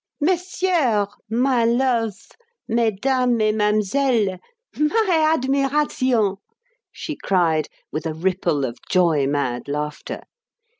"Messieurs, my love mesdames et mademoiselles, my admiration," she cried, with a ripple of joy mad laughter.